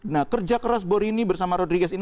nah kerja keras borini bersama rodriguez ini